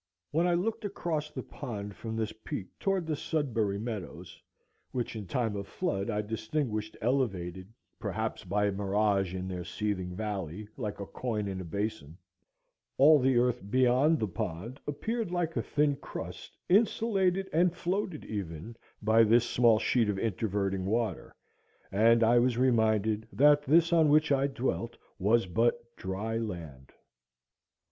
When I looked across the pond from this peak toward the Sudbury meadows, which in time of flood I distinguished elevated perhaps by a mirage in their seething valley, like a coin in a basin, all the earth beyond the pond appeared like a thin crust insulated and floated even by this small sheet of interverting water, and I was reminded that this on which I dwelt was but dry land.